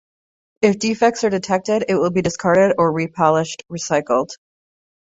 If defects are detected, it will be discarded or repolished recycled.